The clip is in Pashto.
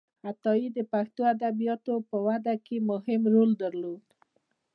عطایي د پښتو ادبياتو په وده کې مهم رول درلود.